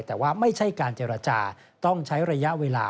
แต่ว่าไม่ใช่การเจรจาต้องใช้ระยะเวลา